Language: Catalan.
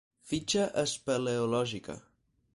Fitxa espeleologia.